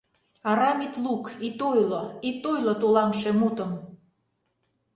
Арам ит лук, ит ойло, ит ойло тулаҥше мутым.